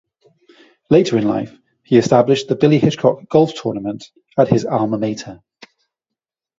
Later in life, he established the Billy Hitchcock Golf Tournament at his alma mater.